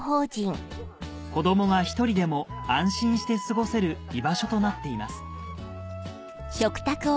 子どもが１人でも安心して過ごせる居場所となっています